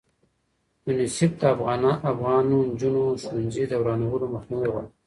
یونیسف د افغانو نجونو ښوونځي د ورانولو مخنیوی غواړي.